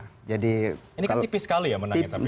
ini kan tipis sekali ya menangnya tapi